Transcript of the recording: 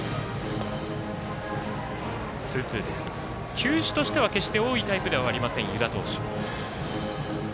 球種としては決して多いタイプではありません湯田投手。